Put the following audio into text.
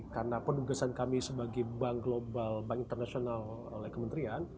karena pendugasan kami sebagai bank global bank internasional oleh kementerian